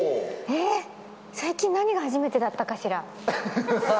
えっ、最近何が初めてだったかしら。